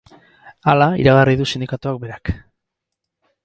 Hala iragarri du sindikatuak berak.